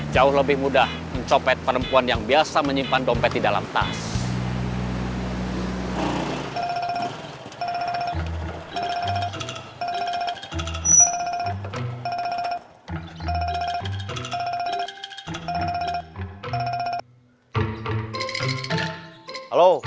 jauh lebih mudah mencopet perempuan yang biasa menyimpan dompet di dalam tas